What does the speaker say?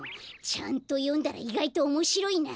ちゃんとよんだらいがいとおもしろいな！